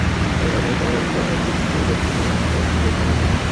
অনেক আধুনিক ক্যামেরায় মিটার আর এক্সপোজার নির্ধারণ স্বয়ংক্রিয়ভাবে হয়ে থাকে।